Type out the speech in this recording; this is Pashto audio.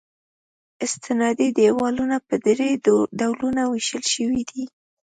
استنادي دیوالونه په درې ډولونو ویشل شوي دي